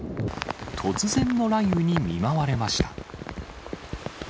突然の雷雨に見舞われました。